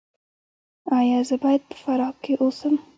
ایا زه باید په فراه کې اوسم؟